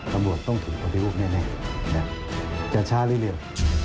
ตำรวจต้องถูกอธิบูรณ์แน่แบบจะช้าเร็ว